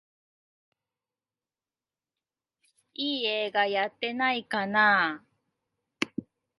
いい映画やってないかなあ